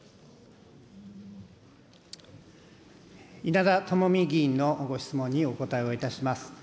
稲田朋美議員のご質問にお答えをいたします。